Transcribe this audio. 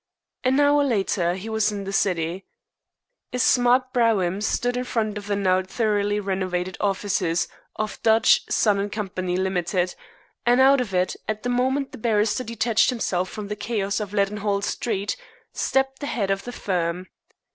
An hour later he was in the city. A smart brougham stood in front of the now thoroughly renovated offices of Dodge, Son & Co. (Limited), and out of it, at the moment the barrister detached himself from the chaos of Leadenhall Street, stepped the head of the firm.